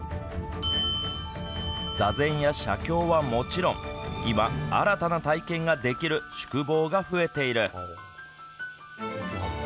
座禅や写経はもちろん今、新たな体験ができる宿坊が増えている。